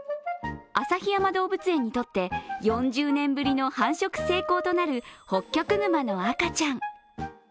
旭山動物園にとって４０年ぶりの繁殖成功となるホッキョクグマの赤ちゃん。